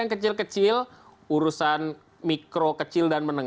yang bermasalah kan mereka makan siang